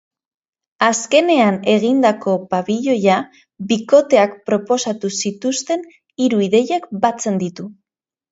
Azkenean egindako pabiloia bikoteak proposatu zituzten hiru ideiak batzen ditu.